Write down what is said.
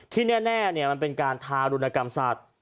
ที่แน่มันเป็นการทารุณกรรมสัตว์